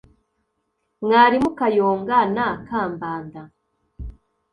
mwalimu kayonga na kambanda